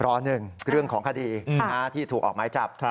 ๑เรื่องของคดีที่ถูกออกไม้จับ